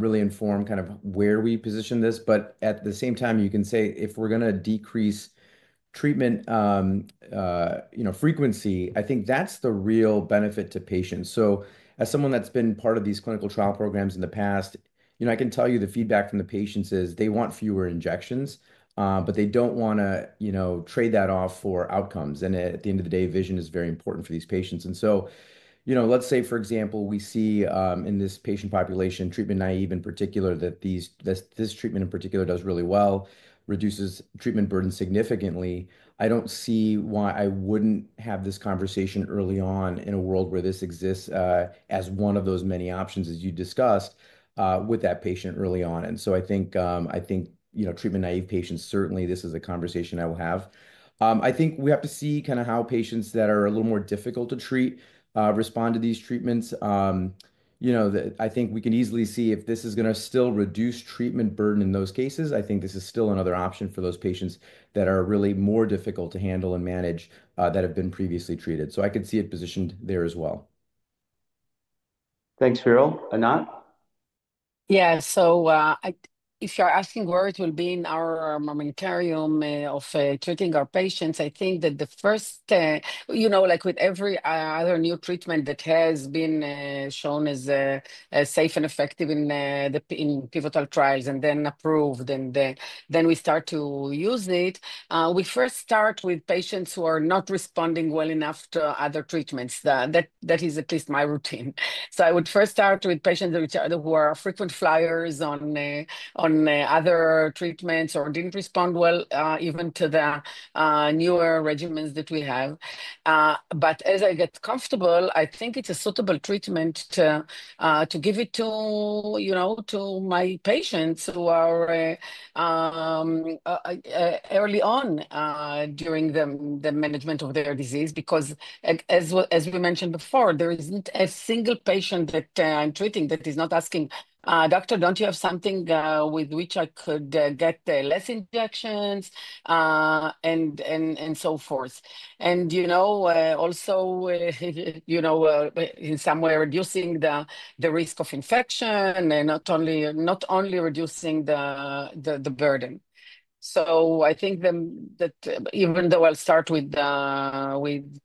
Speaker 8: really inform kind of where we position this. But at the same time, you can say if we're going to decrease treatment frequency, I think that's the real benefit to patients. So as someone that's been part of these clinical trial programs in the past, I can tell you the feedback from the patients is they want fewer injections, but they don't want to trade that off for outcomes. And at the end of the day, vision is very important for these patients. And so let's say, for example, we see in this patient population, treatment naive in particular, that this treatment in particular does really well, reduces treatment burden significantly. I don't see why I wouldn't have this conversation early on in a world where this exists as one of those many options as you discussed with that patient early on, and so I think treatment-naive patients, certainly this is a conversation I will have. I think we have to see kind of how patients that are a little more difficult to treat respond to these treatments. I think we can easily see if this is going to still reduce treatment burden in those cases. I think this is still another option for those patients that are really more difficult to handle and manage that have been previously treated, so I could see it positioned there as well.
Speaker 3: Thanks, Viral. Anat?
Speaker 6: Yeah. So if you're asking where it will be in our armamentarium of treating our patients, I think that the first, like with every other new treatment that has been shown as safe and effective in pivotal trials and then approved, and then we start to use it, we first start with patients who are not responding well enough to other treatments. That is at least my routine. So I would first start with patients who are frequent flyers on other treatments or didn't respond well even to the newer regimens that we have. But as I get comfortable, I think it's a suitable treatment to give it to my patients who are early on during the management of their disease because, as we mentioned before, there isn't a single patient that I'm treating that is not asking, "Doctor, don't you have something with which I could get less injections?" And so forth. And also in some way reducing the risk of infection and not only reducing the burden. So I think that even though I'll start with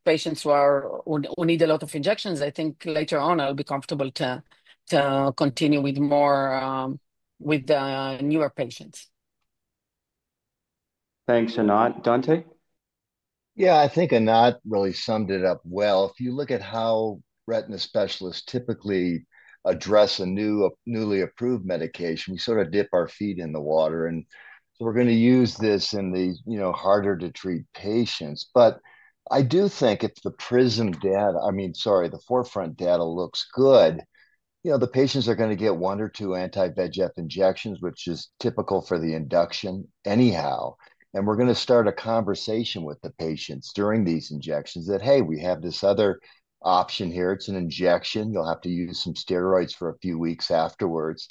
Speaker 6: patients who need a lot of injections, I think later on I'll be comfortable to continue with more with the newer patients.
Speaker 3: Thanks, Anat. Dante?
Speaker 4: Yeah, I think Anat really summed it up well. If you look at how retina specialists typically address a newly approved medication, we sort of dip our feet in the water. And so we're going to use this in the harder-to-treat patients. But I do think if the PRISM data, I mean, sorry, the 4FRONT data, looks good, the patients are going to get one or two anti-VEGF injections, which is typical for the induction anyhow. And we're going to start a conversation with the patients during these injections that, "Hey, we have this other option here. It's an injection. You'll have to use some steroids for a few weeks afterwards."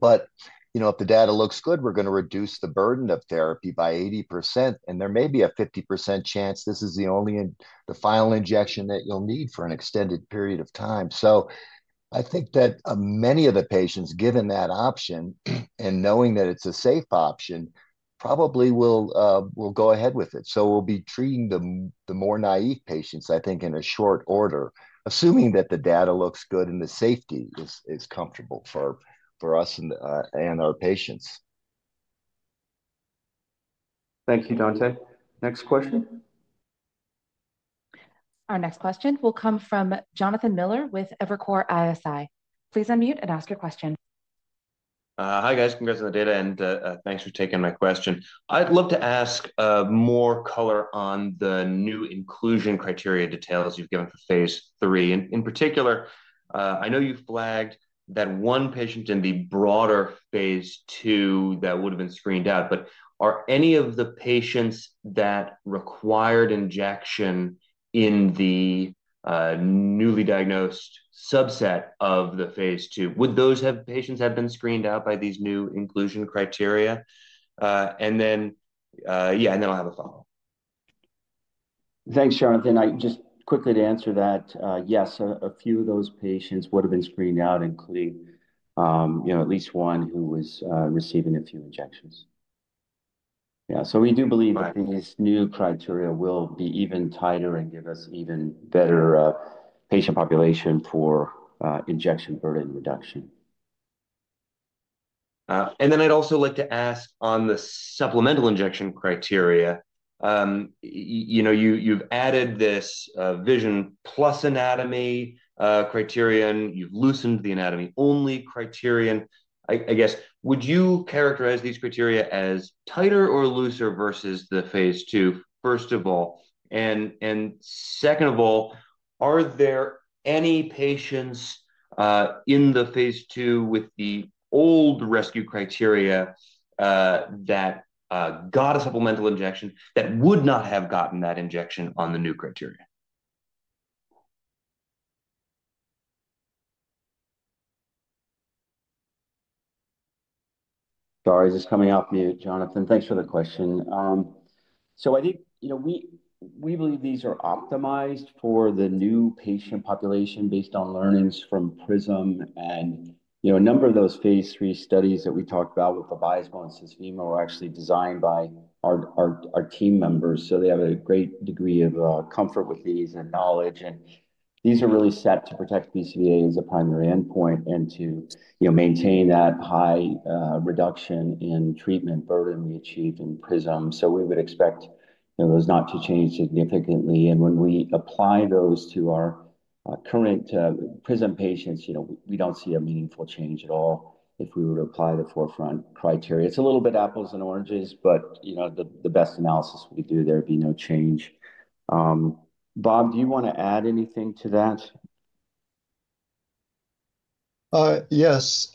Speaker 4: But if the data looks good, we're going to reduce the burden of therapy by 80%. And there may be a 50% chance this is the only final injection that you'll need for an extended period of time. So I think that many of the patients, given that option and knowing that it's a safe option, probably will go ahead with it. So we'll be treating the more naive patients, I think, in a short order, assuming that the data looks good and the safety is comfortable for us and our patients.
Speaker 3: Thank you, Dante. Next question.
Speaker 1: Our next question will come from Jonathan Miller with Evercore ISI. Please unmute and ask your question.
Speaker 7: Hi guys. Congrats on the data. And thanks for taking my question. I'd love to ask more color on the new inclusion criteria details you've given for phase III. And in particular, I know you flagged that one patient in the broader phase II that would have been screened out. But are any of the patients that required injection in the newly diagnosed subset of the phase II, would those patients have been screened out by these new inclusion criteria? And then, yeah, and then I'll have a follow-up.
Speaker 3: Thanks, Jonathan. Just quickly to answer that, yes, a few of those patients would have been screened out, including at least one who was receiving a few injections. Yeah. So we do believe that these new criteria will be even tighter and give us even better patient population for injection burden reduction.
Speaker 7: And then I'd also like to ask on the supplemental injection criteria. You've added this vision plus anatomy criterion. You've loosened the anatomy only criterion. I guess, would you characterize these criteria as tighter or looser versus the phase II, first of all? And second of all, are there any patients in the phase II with the old rescue criteria that got a supplemental injection that would not have gotten that injection on the new criteria?
Speaker 3: Sorry, just coming off mute, Jonathan. Thanks for the question. So I think we believe these are optimized for the new patient population based on learnings from PRISM. And a number of those phase III studies that we talked about with the Vabysmo and Susvimo were actually designed by our team members. So they have a great degree of comfort with these and knowledge. And these are really set to protect BCVA as a primary endpoint and to maintain that high reduction in treatment burden we achieve in PRISM. So we would expect those not to change significantly. And when we apply those to our current PRISM patients, we don't see a meaningful change at all if we were to apply the 4FRONT criteria. It's a little bit apples and oranges, but the best analysis we do, there would be no change. Bob, do you want to add anything to that?
Speaker 5: Yes.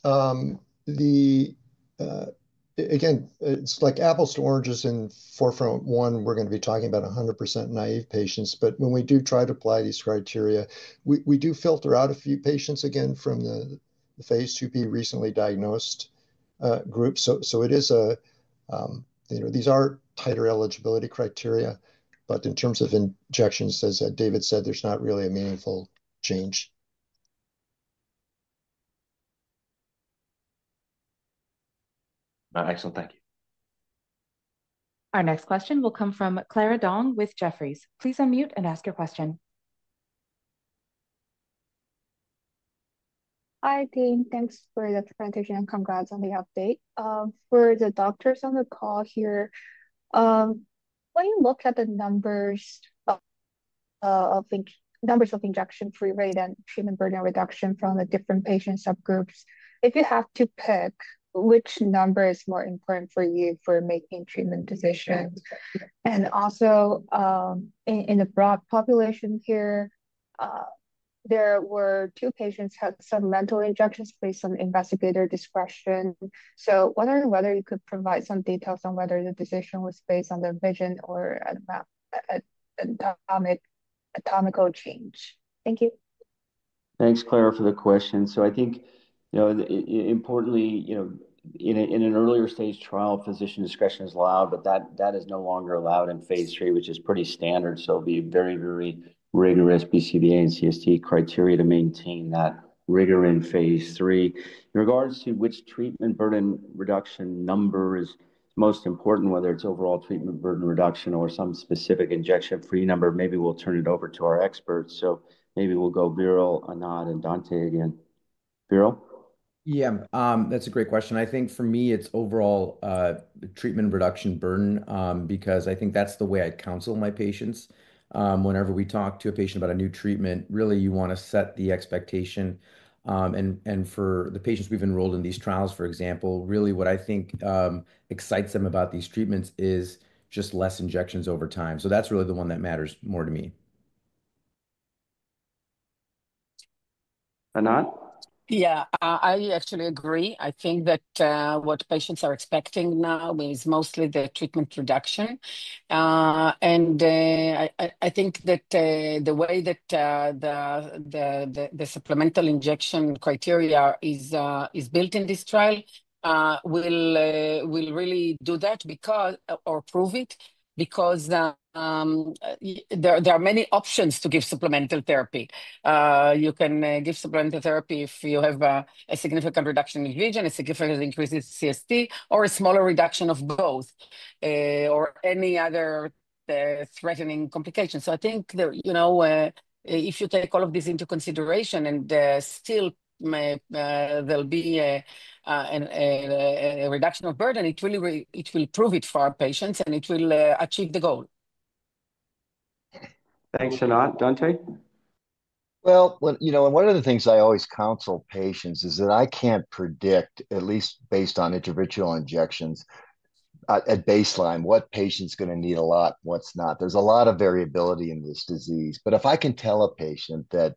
Speaker 5: Again, it's like apples to oranges in 4FRONT-1, we're going to be talking about 100% naive patients. But when we do try to apply these criteria, we do filter out a few patients again from the phase IIb recently diagnosed group. So it is. These are tighter eligibility criteria. But in terms of injections, as David said, there's not really a meaningful change.
Speaker 7: Excellent. Thank you.
Speaker 1: Our next question will come from Clara Dong with Jefferies. Please unmute and ask your question.
Speaker 13: Hi, team. Thanks for the presentation and congrats on the update. For the doctors on the call here, when you look at the numbers of injection-free rate and treatment burden reduction from the different patient subgroups, if you have to pick, which number is more important for you for making treatment decisions? And also, in the broad population here, there were two patients who had some minimal injections based on investigator discretion. So wondering whether you could provide some details on whether the decision was based on their vision or anatomical change. Thank you.
Speaker 3: Thanks, Clara, for the question. So I think, importantly, in an earlier stage trial, physician discretion is allowed, but that is no longer allowed in phase III, which is pretty standard. So it'll be very, very rigorous BCVA and CST criteria to maintain that rigor in phase III. In regards to which treatment burden reduction number is most important, whether it's overall treatment burden reduction or some specific injection-free number, maybe we'll turn it over to our experts. So maybe we'll go Viral, Anat, and Dante again. Viral?
Speaker 8: Yeah. That's a great question. I think for me, it's overall treatment reduction burden because I think that's the way I counsel my patients. Whenever we talk to a patient about a new treatment, really, you want to set the expectation. And for the patients we've enrolled in these trials, for example, really what I think excites them about these treatments is just less injections over time. So that's really the one that matters more to me.
Speaker 3: Anat?
Speaker 6: Yeah. I actually agree. I think that what patients are expecting now is mostly the treatment reduction. And I think that the way that the supplemental injection criteria is built in this trial will really do that or prove it because there are many options to give supplemental therapy. You can give supplemental therapy if you have a significant reduction in vision, a significant increase in CST, or a smaller reduction of both or any other threatening complications. So I think if you take all of this into consideration and still there'll be a reduction of burden, it will prove it for our patients, and it will achieve the goal.
Speaker 3: Thanks, Anat. Dante?
Speaker 4: One of the things I always counsel patients is that I can't predict, at least based on interventional injections, at baseline what patient's going to need a lot, what's not. There's a lot of variability in this disease. But if I can tell a patient that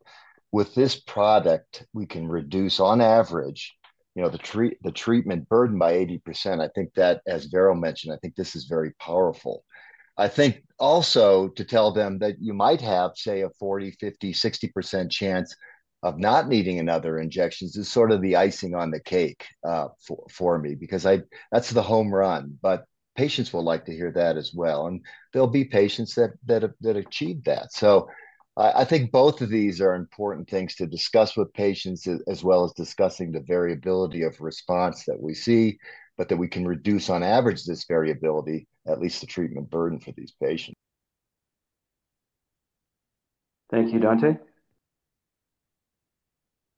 Speaker 4: with this product, we can reduce on average the treatment burden by 80%, I think that, as Viral mentioned, I think this is very powerful. I think also to tell them that you might have, say, a 40, 50, 60% chance of not needing another injection is sort of the icing on the cake for me because that's the home run. But patients will like to hear that as well, and there'll be patients that achieve that. I think both of these are important things to discuss with patients as well as discussing the variability of response that we see, but that we can reduce on average this variability, at least the treatment burden for these patients.
Speaker 3: Thank you, Dante.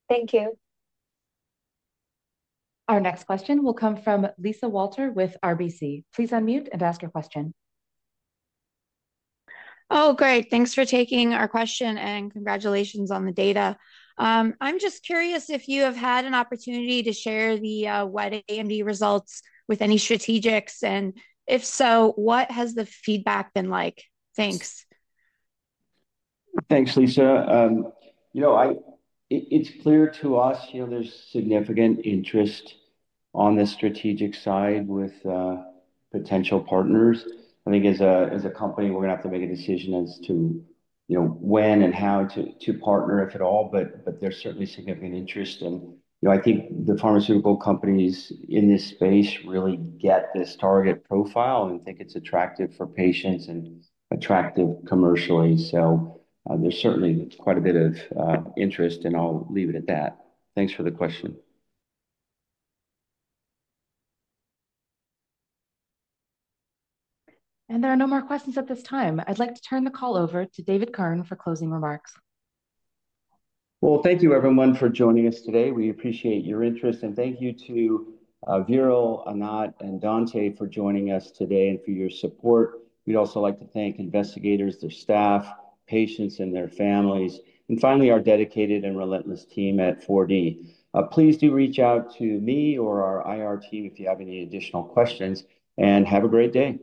Speaker 13: Thank you.
Speaker 1: Our next question will come from Lisa Walter with RBC. Please unmute and ask your question.
Speaker 14: Oh, great. Thanks for taking our question and congratulations on the data. I'm just curious if you have had an opportunity to share the wet AMD results with any strategics. And if so, what has the feedback been like? Thanks.
Speaker 3: Thanks, Lisa. It's clear to us there's significant interest on the strategic side with potential partners. I think as a company, we're going to have to make a decision as to when and how to partner, if at all. But there's certainly significant interest. And I think the pharmaceutical companies in this space really get this target profile and think it's attractive for patients and attractive commercially. So there's certainly quite a bit of interest, and I'll leave it at that. Thanks for the question.
Speaker 1: There are no more questions at this time. I'd like to turn the call over to David Kirn for closing remarks.
Speaker 3: Thank you, everyone, for joining us today. We appreciate your interest. Thank you to VIral, Anat, and Dante for joining us today and for your support. We'd also like to thank investigators, their staff, patients, and their families. Finally, our dedicated and relentless team at 4D. Please do reach out to me or our IR team if you have any additional questions. Have a great day.